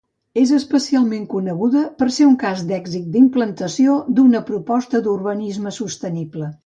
És especialment coneguda per ser un cas d'èxit d'implantació d'una proposta d'urbanisme sostenible.